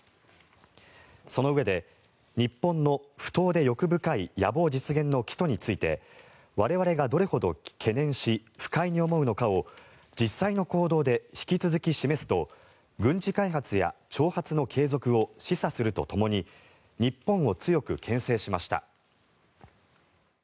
そのうえで、日本の不当で欲深い野望実現の企図について我々がどれほど懸念し不快に思うのかを実際の行動で引き続き示すと軍事開発や挑発の継続を示唆するとともに日本を強くけん制しました。